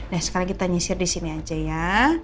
nah sekarang kita nyisir di sini aja ya